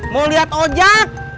mau lihat ojak